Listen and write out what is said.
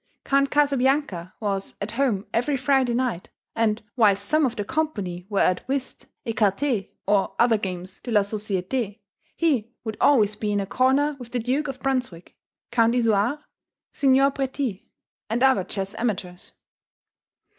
Count Casabianca was "at home" every Friday night, and, whilst some of the company were at whist, ecarté, or other games de la société, he would always be in a corner with the Duke of Brunswick, Count Isouard, Signor Préti, and other chess amateurs.